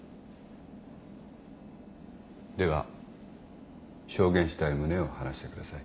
では証言したい旨を話してください。